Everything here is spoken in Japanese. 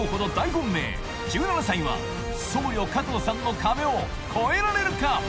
本命１７歳は僧侶加藤さんの壁を越えられるか？